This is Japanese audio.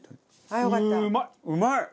うまい！